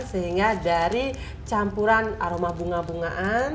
sehingga dari campuran aroma bunga bungaan